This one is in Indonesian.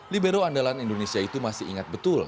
libero andalan indonesia itu masih ingat betul